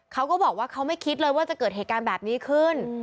เขาก็บอกว่าเขาไม่คิดเลยว่าจะเกิดเหตุการณ์แบบนี้ขึ้น